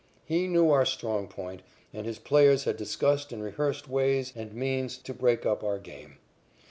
He knew our strong point, and his players had discussed and rehearsed ways and means to break up our game.